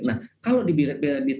nah kalau di tandang